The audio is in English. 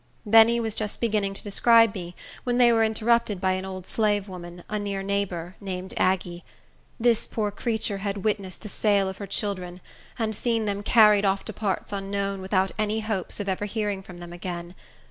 Benny was just beginning to describe me when they were interrupted by an old slave woman, a near neighbor, named Aggie. This poor creature had witnessed the sale of her children, and seen them carried off to parts unknown, without any hopes of ever hearing from them again.